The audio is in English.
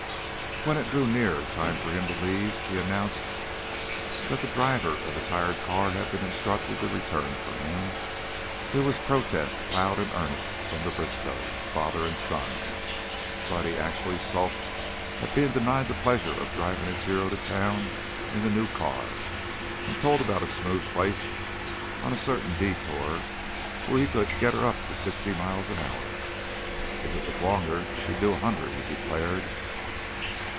When it drew near the time for him to leave, and he announced that the driver of his hired car had been instructed to return for him, there was protest, loud and earnest, from the Briskows, father and son. Buddy actually sulked at being denied the pleasure of driving his hero to town in the new car, and told about a smooth place on a certain detour where he could "get her up to sixty mile an hour." "If it was longer, she'd do a hundred," he declared.